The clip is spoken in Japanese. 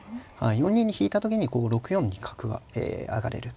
４二に引いた時に６四に角が上がれると。